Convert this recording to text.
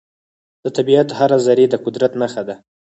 د طبیعت هره ذرې د قدرت نښه ده.